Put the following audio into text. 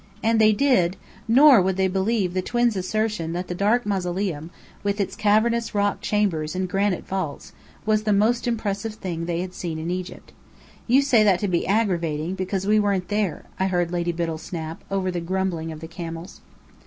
And they did; nor would they believe the twins' assertions that the dark Mausoleum, with its cavernous rock chambers and granite vaults, was the most impressive thing they had seen in Egypt. "You say that to be aggravating, because we weren't there," I heard Lady Biddell snap, over the grumbling of the camels.